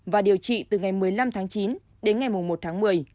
và điều trị từ ngày một mươi năm tháng chín đến ngày một tháng một mươi